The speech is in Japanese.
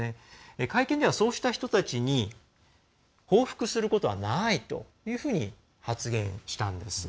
会見では、そうした人たちに報復することはないというふうに発言したんです。